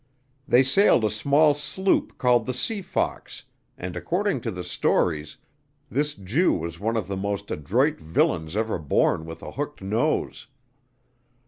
They sailed a small sloop called the Sea Fox, and, according to the stories, this Jew was one of the most adroit villains ever born with a hooked nose.